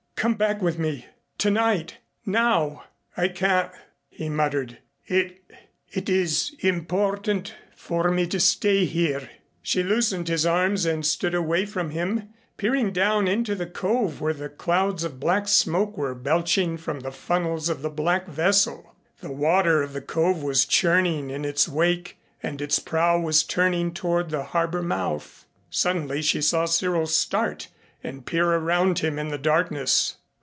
Come back with me tonight now " "I can't," he muttered. "It it is important for me to stay here " She loosened his arms and stood away from him, peering down into the cove where clouds of black smoke were belching from the funnels of the black vessel. The water of the cove was churning in its wake and its prow was turning toward the harbor mouth. Suddenly she saw Cyril start and peer around him in the darkness.